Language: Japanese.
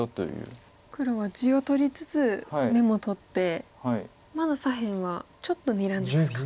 黒は地を取りつつ眼も取ってまだ左辺はちょっとにらんでますか。